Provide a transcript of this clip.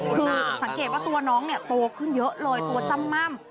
คือสังเกตว่าตัวน้องเนี่ยโตขึ้นเยอะเลยตัวจ้ำม่ำ